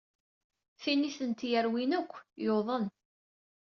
Tin ay tent-yerwin akk, yuḍen.